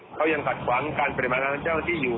เขายังปัดขวางการปริมาณงานของเจ้าหน้าที่อยู่